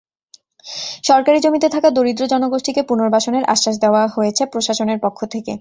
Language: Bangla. সরকারি জমিতে থাকা দরিদ্র জনগোষ্ঠীকে পুনর্বাসনের আশ্বাস দেওয়া হয়েছে প্রশাসনের পক্ষ থেকে।